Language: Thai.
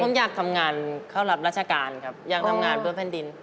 ผมอยากทำงานเข้ารับราชการครับอยากทำงานเพื่อแผ่นดิน